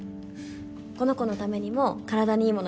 この子のためにも体にいいもの